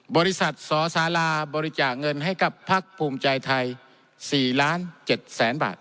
บริษัทสสาราบริจาคเงินให้กับพักภูมิใจไทย๔ล้าน๗แสนบาท